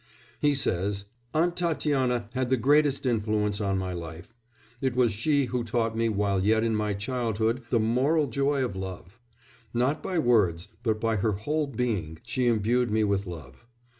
He says: "Aunt Tatiana had the greatest influence on my life. It was she who taught me while yet in my childhood the moral joy of love. Not by words but by her whole being she imbued me with love.